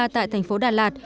tại thành phố đà lạt